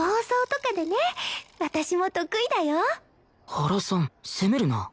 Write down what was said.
原さん攻めるな